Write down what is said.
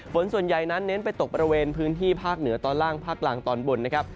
ฝนส่วนใหญ่นั้นเน้นไปตกบริเวณพื้นที่ภาคเหนือตอนล่างภาคกลางตอนบนนะครับ